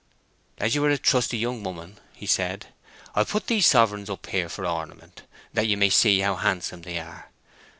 "As you are a trusty young woman," he said, "I'll put these sovereigns up here for ornament, that you may see how handsome they are.